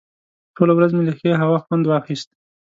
ټوله ورځ مې له ښې هوا خوند واخیست.